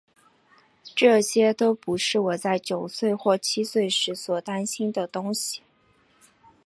这些都不是我在九岁或七岁时所担心的东西。